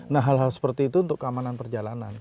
nah hal hal seperti itu untuk keamanan perjalanan